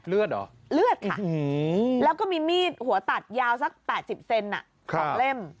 เลือดเหรอเลือดค่ะแล้วก็มีมีดหัวตัดยาวสัก๘๐เซน๒เล่ม